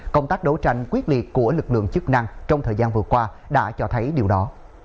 công tác đấu tranh quyết liệt của lực lượng chức năng trong thời gian vừa qua đã cho thấy điều đó